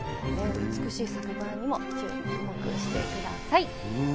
美しい作画にも注目してください。